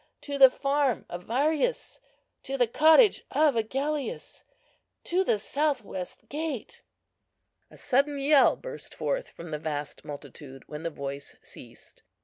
To the farm of Varius—to the cottage of Agellius—to the south west gate!" A sudden yell burst forth from the vast multitude when the voice ceased.